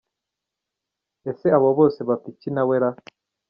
Ese, abo bose bapfa iki nawe ra?